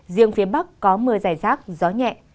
riêng phía bắc có mưa dài rác gió nhẹ